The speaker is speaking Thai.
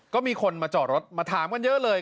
ก็มีคนมาจอดรถมาถามกันเยอะเลย